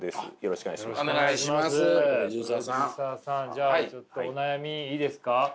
じゃあちょっとお悩みいいですか？